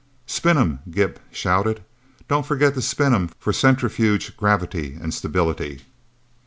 "Spin 'em!" Gimp shouted. "Don't forget to spin 'em for centrifuge gravity and stability!"